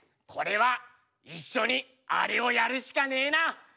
これは一緒にあれをやるしかねえな。